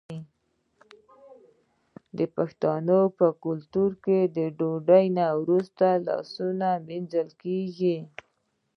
د پښتنو په کلتور کې د ډوډۍ نه وروسته لاسونه مینځل کیږي.